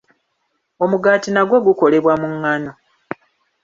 Omugaati nagwo gukolebwa mu ngano.